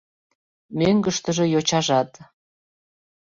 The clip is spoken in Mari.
Мӧҥгыштыжӧ йочажат